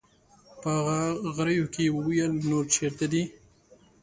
په غريو کې يې وويل: نور چېرته دي؟